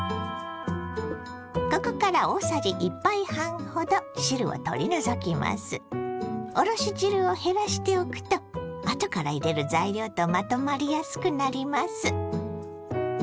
ここからおろし汁を減らしておくとあとから入れる材料とまとまりやすくなります。